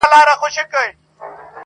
خو اصلي درد نه ختمېږي تل،